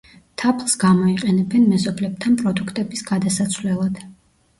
თაფლს გამოიყენებენ მეზობლებთან პროდუქტების გადასაცვლელად.